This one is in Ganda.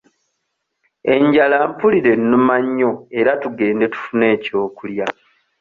Enjala mpulira ennuma nnyo era tugende tufune ekyokulya.